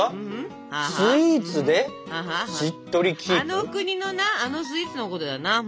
あの国のなあのスイーツのことだな。